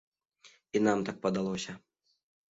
І нам так падалося.